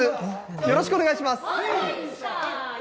よろしくお願いします。